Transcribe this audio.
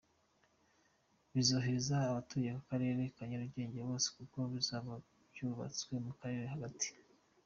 Bizorohereza abatuye akarere ka Nyarugenge bose kuko bizaba byubatswe mu karere hagati.